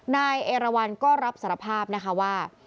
นายเอราวันก็รับสารภาพนะคะว่า